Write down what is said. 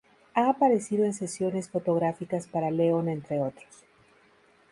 Ha aparecido en sesiones fotográficas para "Leon", entre otros.